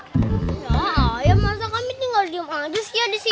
ya ayah masa kami tinggal diam aja sih ya di sini